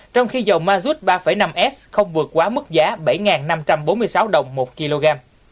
trong khi dầu mazut ba năm s không vượt quá mức giá bảy năm trăm bốn mươi sáu đồng một kg